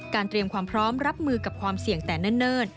เตรียมความพร้อมรับมือกับความเสี่ยงแต่เนิ่น